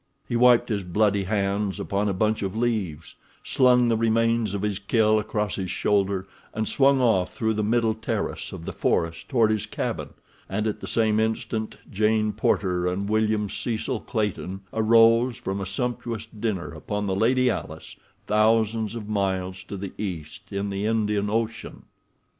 He wiped his bloody hands upon a bunch of leaves, slung the remains of his kill across his shoulder, and swung off through the middle terrace of the forest toward his cabin, and at the same instant Jane Porter and William Cecil Clayton arose from a sumptuous dinner upon the Lady Alice, thousands of miles to the east, in the Indian Ocean.